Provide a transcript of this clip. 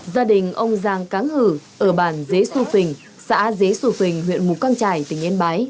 gia đình ông giang cáng hử ở bản dế xu phình xã dế sù phình huyện mù căng trải tỉnh yên bái